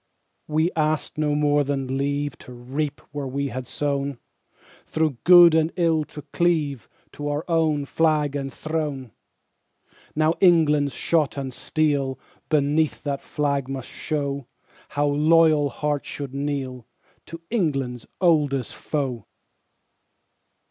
We asked no more than leave To reap where we had sown, Through good and ill to cleave To our own flag and throne. Now England's shot and steel Beneath that flag must show How loyal hearts should kneel To England's oldest foe.